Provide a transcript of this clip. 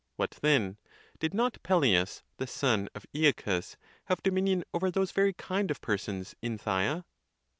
What then, did not Peleus, the son of AXacus, have do minion over those very kind of persons in Phthia